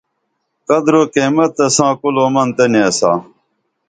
قدر او قیمت تساں کُل او من تہ نیسا